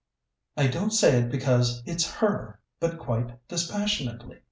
"I don't say it because it's her, but quite dispassionately.